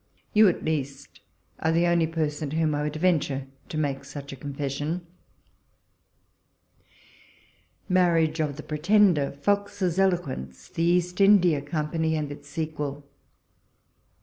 You, at least, are the only person to whom I would venture to make such a confession. MABIilAGE OF THE PJiETENDER VOTS ELO QVEXCE TUE EAST INDIA COMPAXY AND ITS SEQUEL.